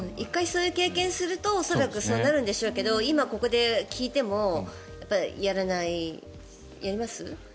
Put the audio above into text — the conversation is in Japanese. １回そういう経験をすると恐らくそうなるんでしょうけど今、ここでそう聞いてもやらないやります？